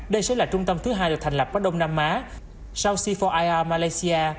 đây sẽ là trung tâm thứ hai được thành lập qua đông nam á sau c bốn ir malaysia